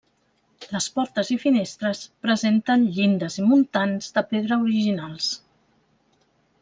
Les portes i finestres presenten llindes i muntants de pedra originals.